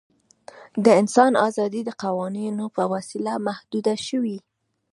د انسان آزادي د قوانینو په وسیله محدوده شوې.